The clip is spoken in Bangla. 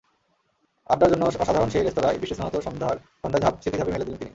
আড্ডার জন্য অসাধারণ সেই রেস্তোরাঁয় বৃষ্টিস্নাত সন্ধ্যায় স্মৃতির ঝাঁপি মেলে দিলেন তিনি।